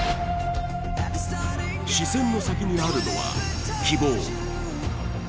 視線の先にあるのは希望。